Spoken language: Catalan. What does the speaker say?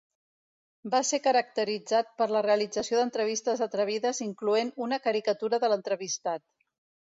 Va ser caracteritzat per la realització d'entrevistes atrevides incloent una caricatura de l'entrevistat.